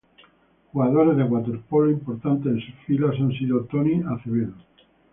Jugadores de waterpolo importantes en sus filas han sido: Tony Azevedo...